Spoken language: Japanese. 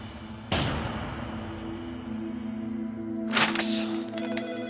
くそ！